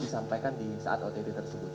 disampaikan di saat ott tersebut